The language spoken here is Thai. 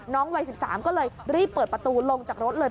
วัย๑๓ก็เลยรีบเปิดประตูลงจากรถเลย